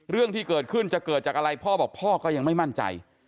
เรื่องที่เกิดขึ้นจะเกิดจากอะไรพ่อบอกพ่อก็ยังไม่มั่นใจ